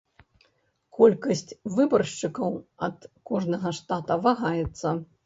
Колькасць выбаршчыкаў ад кожнага штата вагаецца.